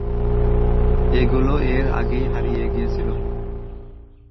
এগুলো এর আগে হারিয়ে গিয়েছিল।